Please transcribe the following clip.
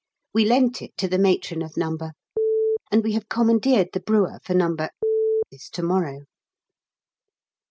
We lent it to the Matron of No. , and we have commandeered the brewer for No. 's to morrow.